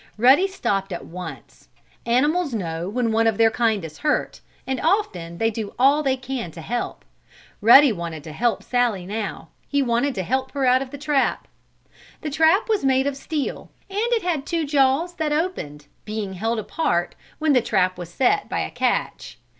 Ruddy stopped at once. Animals know when one of their kind is hurt, and, often, they do all they can to help. Ruddy wanted to help Sallie now. He wanted to help her out of the trap. The trap was made of steel, and it had two jaws that opened, being held apart, when the trap was set, by a catch.